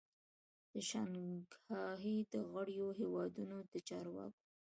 د شانګهای د غړیو هیوادو د چارواکو